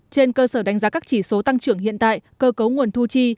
trên cơ sở đánh giá các chỉ số tăng trưởng hiện tại cơ cấu nguồn thu chi